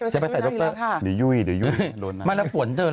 จะไปใส่ดูแลน้ำไปแล้วนะคะ